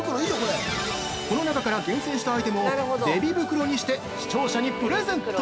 この中から厳選したアイテムをデヴィ袋にして視聴者プレゼント。